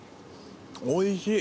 おいしい！